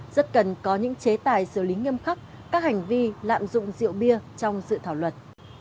rất cần có những chế tài xử lý nghiêm khắc các hành vi lạm dụng rượu bia trong dự thảo luật